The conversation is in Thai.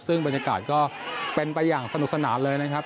ซึ่งบรรยากาศก็เป็นไปอย่างสนุกสนานเลยนะครับ